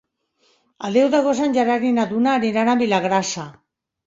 El deu d'agost en Gerard i na Duna aniran a Vilagrassa.